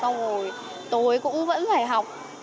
ngồi tối cũng vẫn phải học